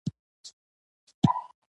دا د شرابو جام ندی.